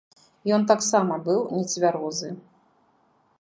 Ён таксама быў нецвярозы.